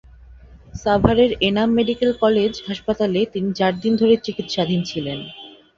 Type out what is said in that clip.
সাভারের Enam medical college হাসপাতালে তিনি চার দিন ধরে চিকিৎসাধীন ছিলেন।